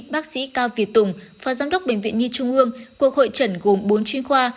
bác sĩ cao việt tùng phó giám đốc bệnh viện nhi trung ương cuộc hội trần gồm bốn chuyên khoa